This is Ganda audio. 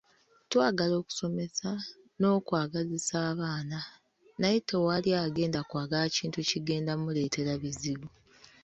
Twagala okusomesa n’okwagazisa abaana naye tewali agenda kwagala kintu kigenda kumuleetera bizibu.